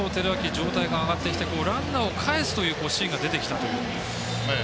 状態が上がってきてランナーをかえすというシーンが出てきたという。